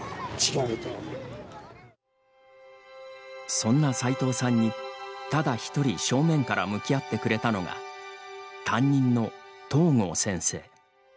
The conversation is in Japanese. そんなさいとうさんにただ一人、正面から向き合ってくれたのが担当の東郷先生。